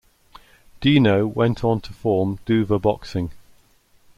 Dino went on to form Duva Boxing.